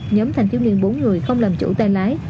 nhóm thanh thiếu niên bốn người không làm chủ tay lái